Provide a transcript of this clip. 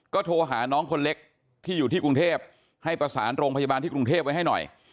ก็โทรหาน้องคนเล็กที่อยู่ที่กรุงเทพให้ประสานโรงพยาบาลที่กรุงเทพไว้ให้หน่อย